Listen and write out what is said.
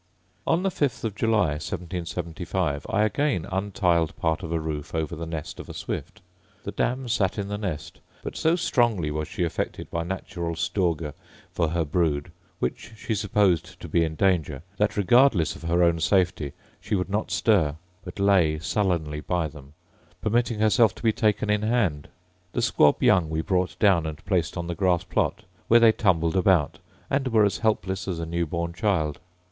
On the fifth of July, 1775, I again untiled part of a roof over the nest of a swift. The dam sat in the nest; but so strongly was she affected by natural στοργὴ for her brood, which she supposed to be in danger, that, regardless of her own safety, she would not stir, but lay sullenly by them, permitting herself to be taken in hand. The squab young we brought down and placed on the grass plot, where they tumbled about, and were as helpless as a new born child.